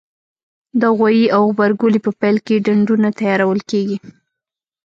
د غويي او غبرګولي په پیل کې ډنډونه تیارول کېږي.